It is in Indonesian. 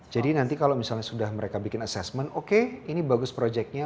nanti kalau misalnya sudah mereka bikin assessment oke ini bagus proyeknya